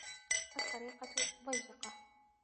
الطَّرِيقَةُ ضَيِّقَةٌ.